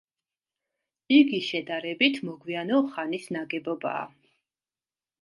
იგი შედარებით მოგვიანო ხანის ნაგებობაა.